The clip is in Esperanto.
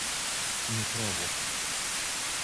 Mi provu.